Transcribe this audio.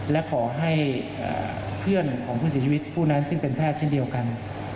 และขอให้เพื่อนของผู้เสียชีวิตผู้นั้นซึ่งเป็นแพทย์เช่นเดียวกัน